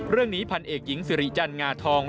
เรื่องนี้พันเอกหญิงสิริจันทร์งาทอง